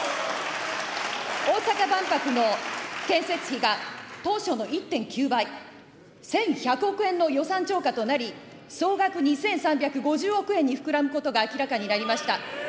大阪万博の建設費が当初の１．９倍、１１００億円の予算超過となり、総額２３５０億円に膨らむことが明らかになりました。